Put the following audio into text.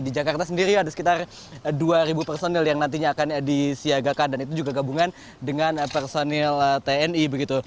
di jakarta sendiri ada sekitar dua personil yang nantinya akan disiagakan dan itu juga gabungan dengan personil tni begitu